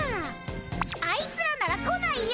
あいつらなら来ないよ。